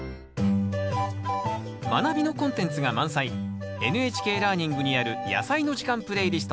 「まなび」のコンテンツが満載「ＮＨＫラーニング」にある「やさいの時間」プレイリスト。